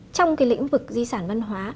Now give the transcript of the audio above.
trong cái lĩnh vực di sản văn hóa